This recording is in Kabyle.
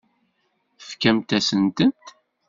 Tefkamt-asent-tent.